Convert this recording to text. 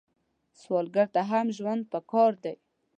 سوالګر ته هم ژوند پکار دی